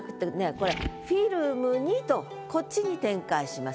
これ「フィルムに」とこっちに展開します。